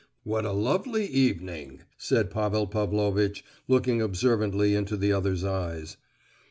"What a lovely evening!" said Pavel Pavlovitch, looking observantly into the other's eyes.